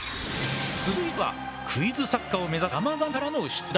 続いてはクイズ作家を目指す山上からの出題。